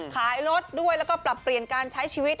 ขายรถด้วยแล้วก็ปรับเปลี่ยนการใช้ชีวิต